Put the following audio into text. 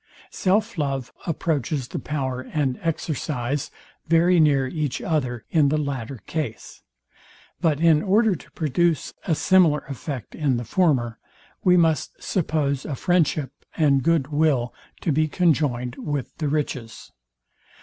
Self love approaches the power and exercise very near each other in the latter case; but in order to produce a similar effect in the former, we must suppose a friendship and good will to be conjoined with the riches.